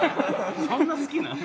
そんな好きなの？